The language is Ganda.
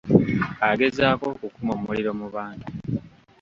Agezaako okukuma muliro mu bantu.